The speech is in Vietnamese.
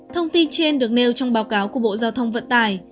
thông tin trên được nêu trong báo cáo của bộ giao thông vận tải